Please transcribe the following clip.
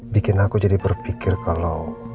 bikin aku jadi berpikir kalau